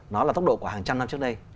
nó là tốc độ của hàng trăm năm trước đây